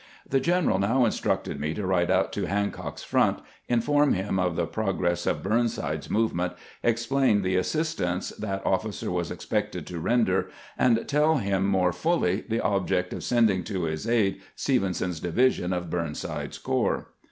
The general now instructed me to ride out to Hancock's front, inform him of the progress of Burnside's movement, explain the assistance that officer was expected to render, and teU him more fully the object of sending to his aid Stevenson's divi sion of Burnside's corps.